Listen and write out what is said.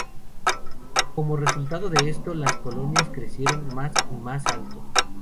Como resultado de esto, las colinas crecieron más y más alto.